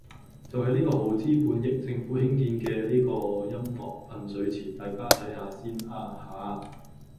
就係呢個耗資半億，政府興建嘅呢個音樂噴水池，大家睇吓先啊吓